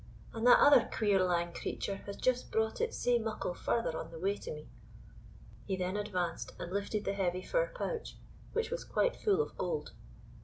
and that other queer lang creature has just brought it sae muckle farther on the way to me." He then advanced and lifted the heavy fur pouch, which was quite full of gold.